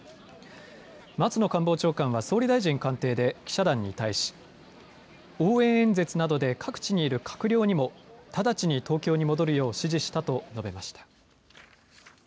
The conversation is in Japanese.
松野官房長官は総理大臣官邸で記者団に対し応援演説などで各地にいる閣僚にも直ちに東京に戻るよう指示したと述べました。